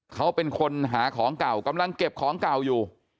เขาเป็นคนหาของเก่ากำลังเก็บของเก่าอยู่